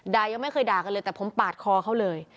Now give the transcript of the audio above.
ยังไม่เคยด่ากันเลยแต่ผมปาดคอเขาเลย